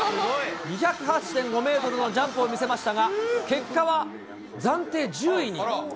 ２０８．５メートルのジャンプを見せましたが、結果は暫定１０位に。